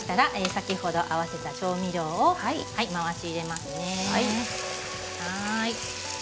先ほど合わせた調味料を流し入れますね。